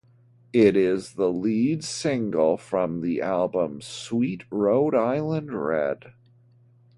It is the lead single from the album "Sweet Rhode Island Red".